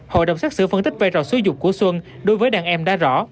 hội đồng xác xử phân tích về rào xúi dục của xuân đối với đàn em đã rõ